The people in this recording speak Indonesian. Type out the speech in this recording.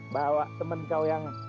bawa temen kau yang